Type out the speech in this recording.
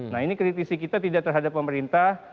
nah ini kritisi kita tidak terhadap pemerintah